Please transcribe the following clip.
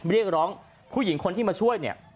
เรียกร้องผู้หญิงคนที่มาช่วยเนี่ย